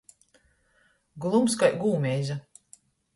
Glums kai gūmeiza.